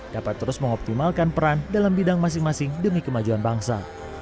dapat terus mengoptimalkan peran dalam bidang masing masing demi kemajuan bangsa